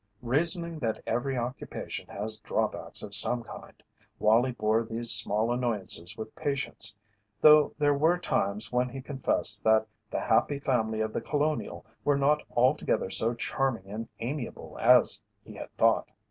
Reasoning that every occupation has drawbacks of some kind, Wallie bore these small annoyances with patience, though there were times when he confessed that The Happy Family of The Colonial were not altogether so charming and amiable as he had thought.